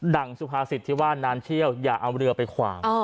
ั่งสุภาษิตที่ว่าน้ำเชี่ยวอย่าเอาเรือไปขวาง